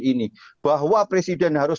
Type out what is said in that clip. ini bahwa presiden harus